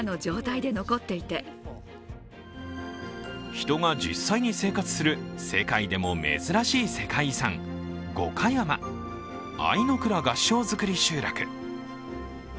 人が実際に生活する世界でも珍しい世界遺産五箇山、相倉合掌造り集落。